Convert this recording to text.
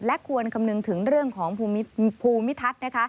และควรคำนึงถึงเรื่องของภูมิทัศน์นะคะ